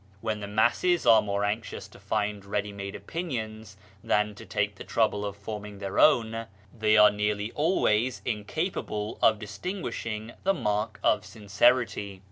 When the masses are more anxious to find ready made opinions than to take the trouble of forming their own, they are nearly always incapable of distinguishing the mark of sincerity.